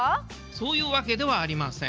そういうわけではありません。